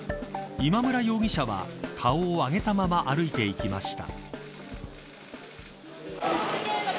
今村容疑者は顔を上げたまま歩いていきました。